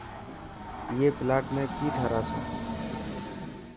ائي پلاٽ ۾ ڪي ٺاراسو.